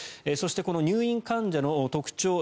そして、この入院患者の特徴